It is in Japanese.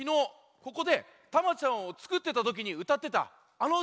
ここでタマちゃんをつくってたときにうたってたあのうた。